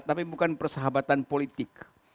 tapi bukan persahabatan politik